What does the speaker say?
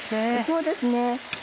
そうですね。